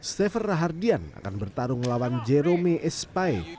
stafer rahardian akan bertarung melawan jerome espaye